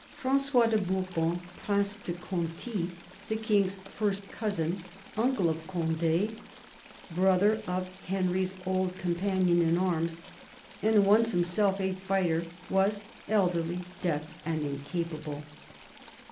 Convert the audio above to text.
Fran9ois de Bourbon, Prince de Conti, the King's first cousin, uncle of Conde, brother of Henry's old companion in arms and once himself a fighter, was elderly, deaf, and incapable.